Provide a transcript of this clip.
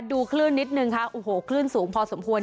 ดูคลื่นนิดนึงค่ะโอ้โหคลื่นสูงพอสมควร